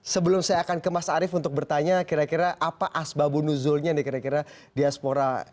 sebelum saya akan ke mas arief untuk bertanya kira kira apa asbabunuzulnya nih kira kira diaspora